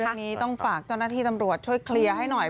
เรื่องนี้ต้องฝากเจ้าหน้าที่ตำรวจช่วยเคลียร์ให้หน่อย